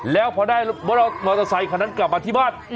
แล้วพอได้มอเตอร์ไซคันนั้นกลับมาที่บ้าน